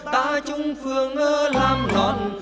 ta chung phương làm nòn